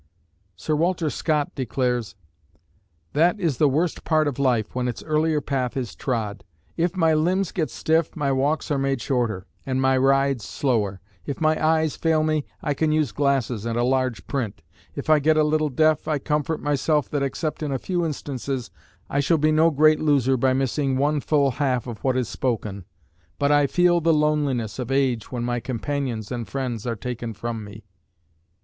Sir Walter Scott declares: That is the worst part of life when its earlier path is trod. If my limbs get stiff, my walks are made shorter, and my rides slower; if my eyes fail me, I can use glasses and a large print: if I get a little deaf, I comfort myself that except in a few instances I shall be no great loser by missing one full half of what is spoken: _but I feel the loneliness of age when my companions and friends are taken from me.